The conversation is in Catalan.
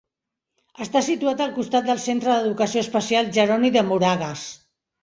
Està situat al costat del centre d'educació especial Jeroni de Moragues.